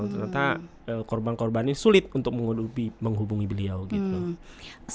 ternyata korban korbannya sulit untuk menghubungi beliau gitu